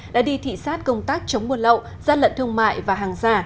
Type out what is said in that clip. đã đi thị xát công tác chống muôn lậu giát lận thương mại và hàng giả